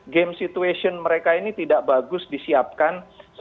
game situation mereka ini tidak bagus disiapkan